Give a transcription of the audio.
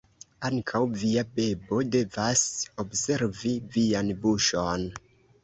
Ankaŭ via bebo devas observi vian buŝon.